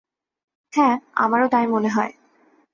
হ্যাঁ, আমারও তাই মনে হয়।